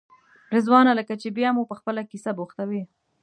رضوانه لکه چې بیا مو په خپله کیسه بوختوې.